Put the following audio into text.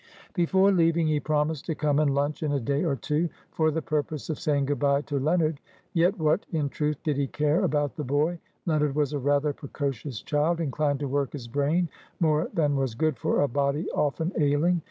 Before leaving, he promised to come and lunch in a day or two, for the purpose of saying good bye to Leonard. Yet what, in truth, did he care about the boy? Leonard was a rather precocious child, inclined to work his brain more than was good for a body often ailing.